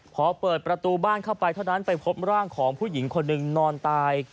พอเปิดประตูบ้านเข้าไปเท่านั้นไปพบร่างของผู้หญิงคนหนึ่งนอนตาย